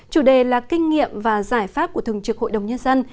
chủ đề là kinh nghiệm và giải pháp của thường trực hội đồng nhân dân